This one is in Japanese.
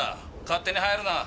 勝手に入るな。